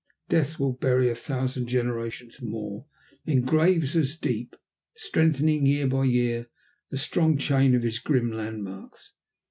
Death will bury a thousand generations more, in graves as deep, strengthening year by year the strong chain of his grim landmarks.